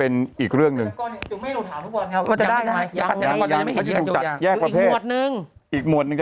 นี่แยกประเภทอีกหมวดนึง